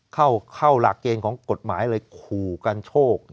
เข้าหลักเกณฑ์ของกฎหมายเลยขู่กันโชค